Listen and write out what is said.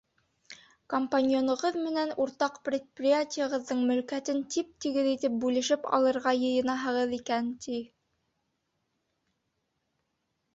Компаньонығыҙ менән уртаҡ предприятиеғыҙҙың мөлкәтен тип-тигеҙ итеп бүлешеп алырға йыйынаһығыҙ икән, ти.